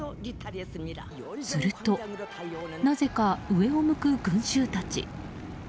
すると、なぜか上を向く群衆たち。